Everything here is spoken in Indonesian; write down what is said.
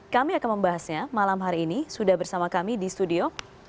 kami akan membahasnya malam hari ini sudah bersama kami di studio